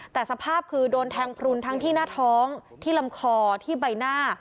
แต่สภาพคือโดนแทงพลุนทั้งที่หน้าท้องที่ลำคอที่ใบหน้า